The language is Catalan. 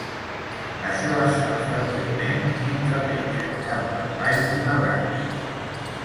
Això es fa freqüentment mentre pengen cap per avall d'una branca.